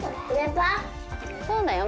そうだよ。